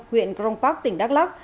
huyện crong park tỉnh đắk lắc